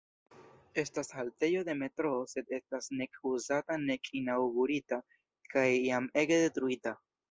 Estas haltejo de metroo sed estas nek uzata nek inaŭgurita, kaj jam ege detruita.